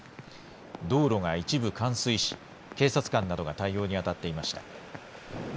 道路が一部冠水し警察官などが対応にあたっていました。